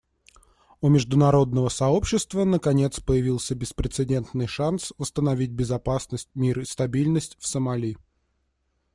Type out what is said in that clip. У международного сообщества, наконец, появился беспрецедентный шанс восстановить безопасность, мир и стабильность в Сомали.